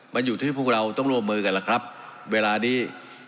มันอยู่ที่พวกเราต้องร่วมมือกันล่ะครับเวลานี้